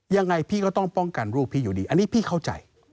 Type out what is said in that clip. ยังไงพี่ก็ต้องป้องกันลูกพี่อยู่ดีอันนี้พี่เข้าใจ